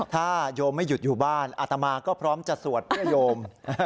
ถ้าโยมไม่หยุดอยู่บ้านอาตมาก็พร้อมจะสวดเพื่อโยม